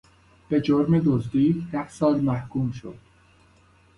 به جرم دزدی ده سال محکوم شد.